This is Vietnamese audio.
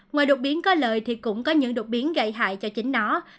ngoài đột biến có lời thì cũng có những đột biến gây hại cho chính nó